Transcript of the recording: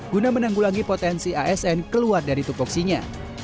guna menanggulangi potensi asn keluar dari tupoksinya